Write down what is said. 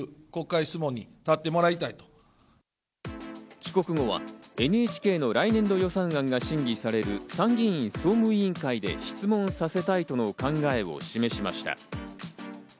帰国後はＮＨＫの来年度予算案が審議される参議院総務委員会で質問させたいとの考えを示しました。